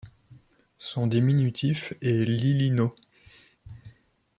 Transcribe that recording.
Son diminutif est Lillino.